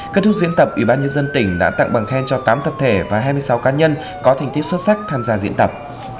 kết thúc diễn tập ủy ban nhân dân tỉnh đã tặng bằng khen cho tám tập thể và hai mươi sáu cá nhân có thành tích xuất sắc tham gia diễn tập